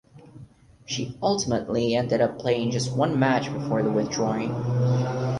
She ultimately ended up playing just one match before withdrawing.